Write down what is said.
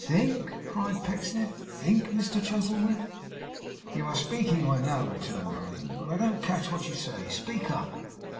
'Think!' cried Pecksniff, 'think, Mr Chuzzlewit!' 'You are speaking, I know,' returned Martin, 'but I don't catch what you say. Speak up!